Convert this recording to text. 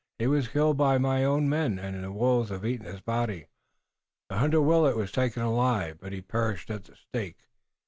He was killed by my own men, and the wolves have eaten his body. The hunter Willet was taken alive, but he perished at the stake.